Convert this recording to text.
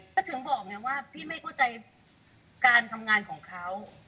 ก็ถึงบอกไงว่าพี่ไม่เข้าใจการทำงานของเขา